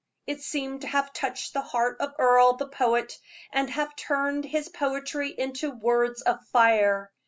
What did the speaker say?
It seemed to have touched the heart of Earle, the poet, and have turned his poetry into words of fire.